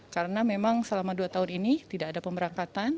karena memang selama dua tahun ini tidak ada pemberangkatan